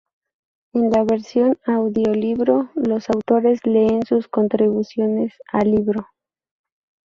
En la versión audiolibro los autores leen sus contribuciones al libro.